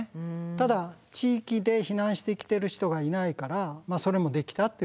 ただ地域で避難してきてる人がいないからそれもできたっていうことだと思うんです。